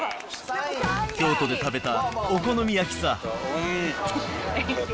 京都で食べたお好み焼きさ。